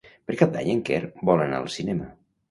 Per Cap d'Any en Quer vol anar al cinema.